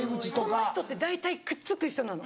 その人って大体くっつく人なの。